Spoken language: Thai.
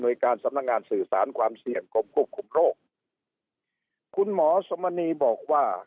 โดยการสำนักงานสื่อสารความเสี่ยงกรมควบคุมโรคคุณหมอสมณีบอกว่า